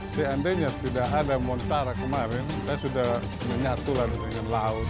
seandainya tidak ada montara kemarin saya sudah menyatulah dengan laut